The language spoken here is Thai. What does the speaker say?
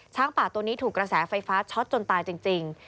ป่าตัวนี้ถูกกระแสไฟฟ้าช็อตจนตายจริง